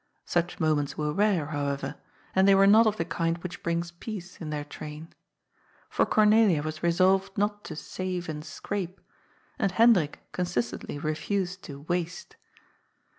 Such moments were rare, however, and they were not of the kind which bring peace in their train. For Cornelia was resolved not to *'save and scrape," and Hendrik consistently refused to " waste."